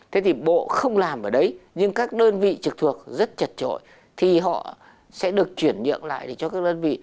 thế thì bộ không làm ở đấy nhưng các đơn vị trực thuộc rất chật trội thì họ sẽ được chuyển nhượng lại để cho các đơn vị